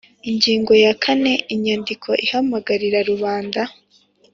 Ingingo ya kane Inyandiko ihamagarira rubanda